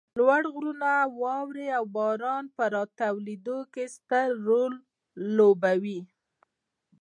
لوړ غرونه د واروې او باران په راټولېدو کې ستر رول لوبوي